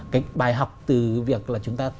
cái bài học từ việc là chúng ta